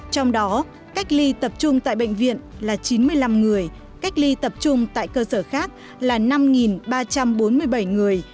trong đó cách ly tập trung tại bệnh viện là chín mươi năm người cách ly tập trung tại cơ sở khác là năm ba trăm bốn mươi bảy người